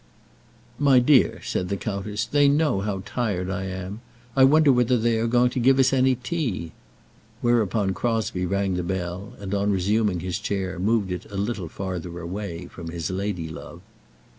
"My dear," said the countess, "they know how tired I am. I wonder whether they are going to give us any tea." Whereupon Crosbie rang the bell, and, on resuming his chair, moved it a little farther away from his lady love.